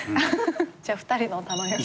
じゃあ２人のを頼みます。